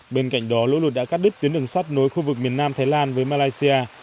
bên cạnh đó lũ lụt đã cắt đứt tuyến đường sắt nối khu vực miền nam thái lan với malaysia